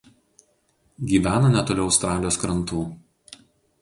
Gyvena netoli Australijos krantų.